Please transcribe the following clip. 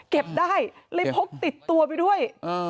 เก็บได้เลยพกติดตัวไปด้วย